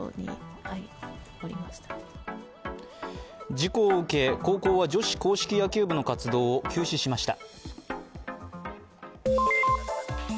事故を受け、高校は女子硬式野球部の活動を休止しました。